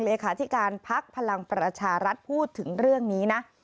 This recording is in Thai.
เลขาธิการพักพลังประชารัฐพูดถึงเรื่องนี้นะ